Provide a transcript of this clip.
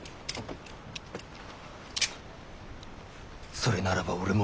それならば俺も。